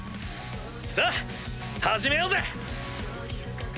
さあ始めようぜ！